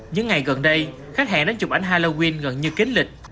những ngày gần đây khách hẹn đến chụp ánh halloween gần như kín lịch